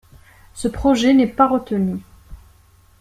Ce projet n'est pas retenu.